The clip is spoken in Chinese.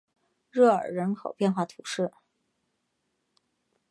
热尔人口变化图示